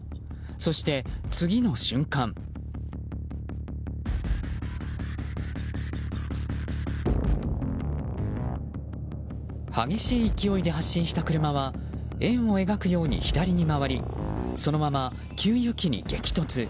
そして次の瞬間激しい勢いで発進した車は円を描くように左に回りそのまま給油機に激突。